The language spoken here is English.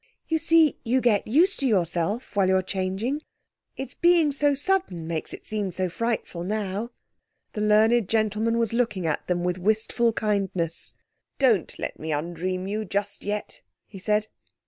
"You see, you get used to yourself while you're changing. It's—it's being so sudden makes it seem so frightful now." The learned gentleman was looking at them with wistful kindness. "Don't let me undream you just yet," he said.